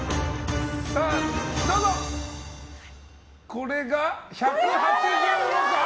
これが１８６ｇ！